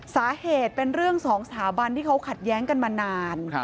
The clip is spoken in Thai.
สาเหตุเป็นเรื่องสองสถาบันที่เขาขัดแย้งกันมานาน